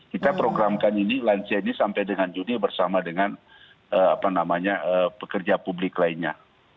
kita programkan ini lansia ini sampai dengan juni bersama dengan pekerja publik lainnya